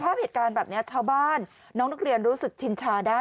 ภาพเหตุการณ์แบบนี้ชาวบ้านน้องนักเรียนรู้สึกชินชาได้